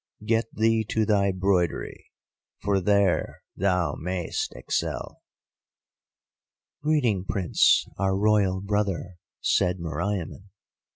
Get thee to thy broidery, for there thou may'st excel.' "'Greeting, Prince, our Royal brother,' said Meriamun.